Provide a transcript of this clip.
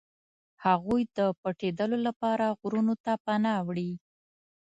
هغوی د پټېدلو لپاره غرونو ته پناه وړي.